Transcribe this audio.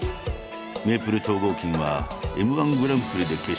メイプル超合金はＭ−１グランプリで決勝に進出。